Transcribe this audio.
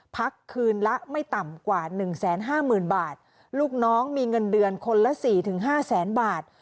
พักคืนละไม่ต่ำกว่า๑๕๐๐๐บาทลูกน้องมีเงินเดือนคนละสี่ถึงห้าแสนบาท